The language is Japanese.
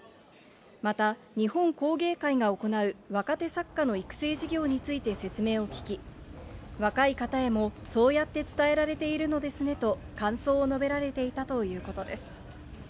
また日本工芸会が行う若手作家の育成事業について説明を聞き、若い方へもそうやって伝えられているのですねと感想を述べられていたということです。